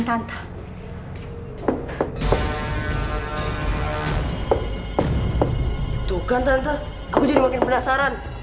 kan gue juga yang bisa lain